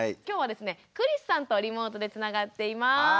きょうはですね栗栖さんとリモートでつながっています。